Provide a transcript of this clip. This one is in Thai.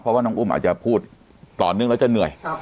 เพราะว่าน้องอุ้มอาจจะพูดตอนนึงนะครับ